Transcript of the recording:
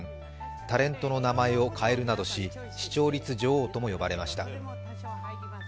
タレントの名前を変えるなどし視聴率女王などとも言われました。